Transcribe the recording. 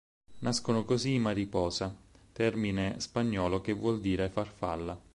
Nascono così i Mariposa, termine spagnolo che vuol dire "farfalla".